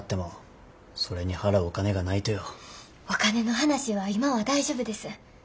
お金の話は今は大丈夫です。